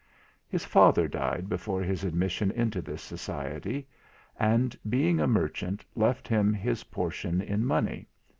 His father died before his admission into this society; and, being a merchant, left him his portion in money.